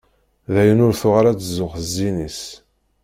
Dayen, ur tuɣal ad tzuxx s zzin-is.